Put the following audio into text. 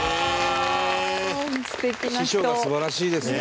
伊達：師匠が素晴らしいですね。